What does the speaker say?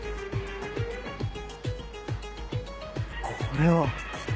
これは！